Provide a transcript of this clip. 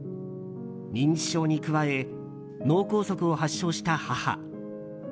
認知症に加え脳梗塞を発症した母。